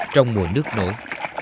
trong mùa nước nổi